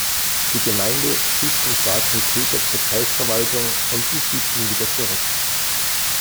Die Gemeinde schiebt den schwarzen Peter zur Kreisverwaltung und die schiebt ihn wieder zurück.